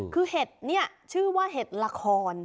คือเห็ดนี่ชื่อว่าเห็ดละคร